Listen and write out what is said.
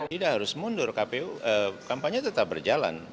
tidak harus mundur kpu kampanye tetap berjalan